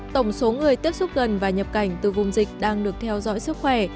tổng số người tiếp xúc gần và nhập cảnh từ vùng dịch đang được theo dõi sức khỏe